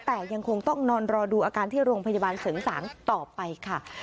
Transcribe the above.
แต่ยังคงต้องนอนรอดูอาการที่โรงพยาบาลเสริงสางต่อไปค่ะ